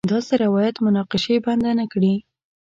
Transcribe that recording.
داسې روایت مناقشې بنده نه کړي.